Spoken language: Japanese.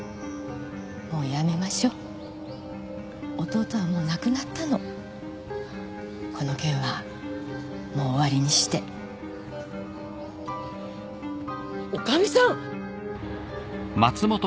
もうやめましょう弟はもう亡くなったのこの件はもう終わりにして女将さん！